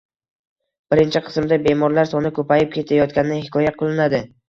Birinchi qismda bemorlar soni ko`payib ketayotgani hikoya qilinadi